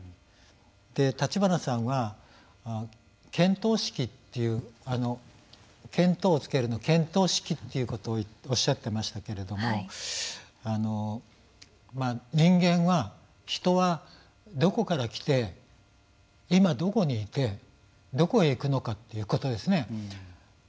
立花さんは、見当識という見当をつけるの見当識ということをおっしゃってましたけれども人間は、人は、どこから来て今どこにいてどこへ行くのかということですね。